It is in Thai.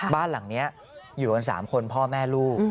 บ้านหลังนี้อยู่กัน๓คนพ่อแม่ลูก